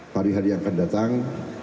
padi hadi yang akan datang